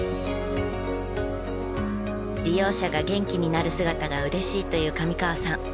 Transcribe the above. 利用者が元気になる姿が嬉しいという上河さん。